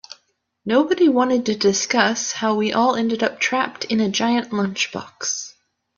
Nobody wanted to discuss how we all ended up trapped in a giant lunchbox.